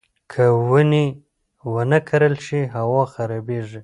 که ونې ونه کرل شي، هوا خرابېږي.